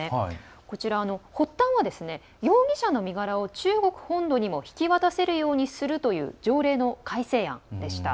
こちら、発端は容疑者の身柄を中国本土にも引き渡せるようにするという条例の改正案でした。